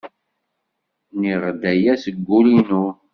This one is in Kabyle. Nniɣ-d aya seg wul-inu.